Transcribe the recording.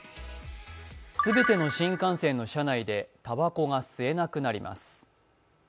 全ての新幹線の車内でたばこが吸えなくなります。